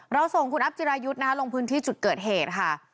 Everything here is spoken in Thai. เราส่งคุณอัพจิรายุทธ์ลงพื้นที่จุดเกิดเหตุค่ะ